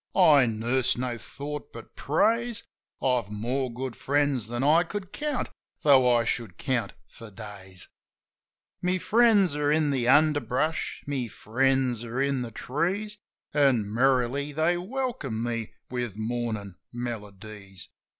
Mornin'! I nurse no thought but praise, I've more good friends than I could count, tho' I should count for days. My friends are in the underbrush, my friends are in the trees. An' merrily they welcome me with mornin' melodies.